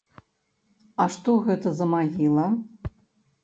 А што гэта за магіла?